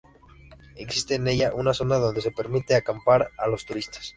Existe en ella una zona donde se permite acampar a los turistas.